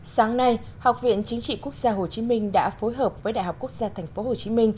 sáng nay học viện chính trị quốc gia hồ chí minh đã phối hợp với đại học quốc gia tp hcm